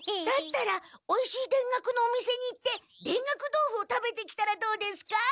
だったらおいしい田楽のお店に行って田楽豆腐を食べてきたらどうですか？